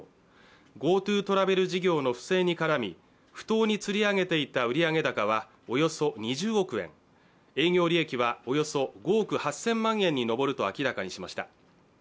ＧｏＴｏトラベル事業の不正に絡み、不当につり上げていた売上高はおよそ２０億円、営業利益はおよそ５億８０００万円に上ると明らかにしました。